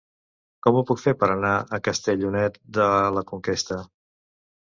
Com ho puc fer per anar a Castellonet de la Conquesta?